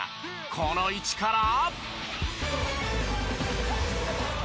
この位置から。